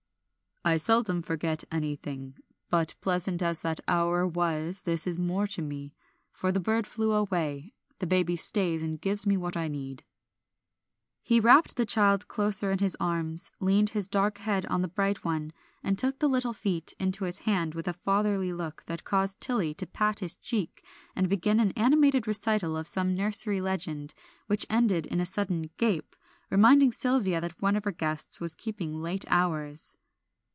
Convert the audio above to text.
"I seldom forget anything. But pleasant as that hour was this is more to me, for the bird flew away, the baby stays and gives me what I need." He wrapt the child closer in his arms, leaned his dark head on the bright one, and took the little feet into his hand with a fatherly look that caused Tilly to pat his cheek and begin an animated recital of some nursery legend, which ended in a sudden gape, reminding Sylvia that one of her guests was keeping late hours.